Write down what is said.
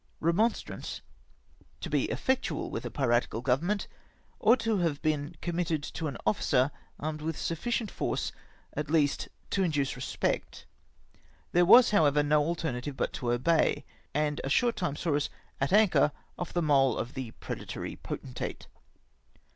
Eemonstrance, to be effectual with a pKatical government, ought to have been committed to an officer armed with sufficient force at least to induce respect. There was, however, no alternative but to obey, and a short time saw us at anchor off the mole of the predatory potentate.